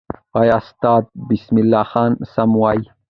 آیا استاد بسم الله خان سم وایي؟